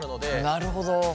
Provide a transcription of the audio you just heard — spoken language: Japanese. なるほど。